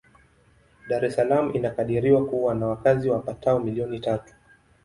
Dar es Salaam inakadiriwa kuwa na wakazi wapatao milioni tatu.